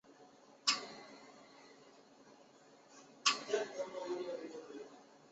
少花溲疏为虎耳草科溲疏属下的一个变种。